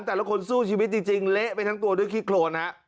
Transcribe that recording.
แต่ละคนสู้ชีวิตจริงเละไปทั้งตัวด้วยขี้โครนฮะ